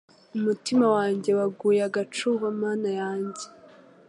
Umutima wanjye waguye agacuho Mana yanjye